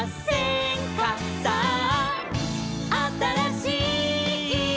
「さああたらしい」